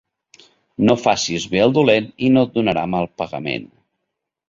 No facis bé al dolent i no et donarà mal pagament.